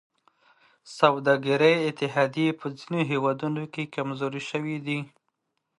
سوداګریزې اتحادیې په ځینو هېوادونو کې کمزورې شوي دي